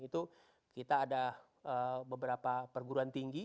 itu kita ada beberapa perguruan tinggi